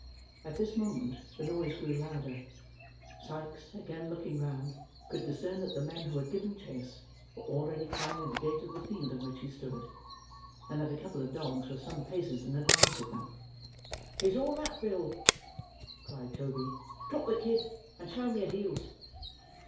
At this moment the noise grew louder. Sikes, again looking round, could discern that the men who had given chase were already climbing the gate of the field in which he stood; and that a couple of dogs were some paces in advance of them. "It's all up, Bill!" cried Toby; "drop the kid, and show 'em your heels."